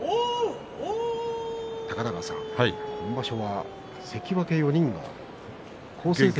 高田川さん、今場所は関脇４人が好成績。